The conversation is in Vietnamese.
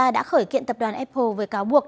đã khởi kiện tập đoàn apple với cáo buộc